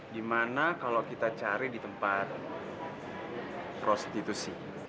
di mana kalau kita cari di tempat prostitusi